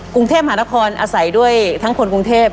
กรุงเทพหานครอาศัยด้วยทั้งคนกรุงเทพ